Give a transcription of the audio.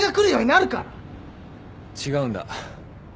違うんだ。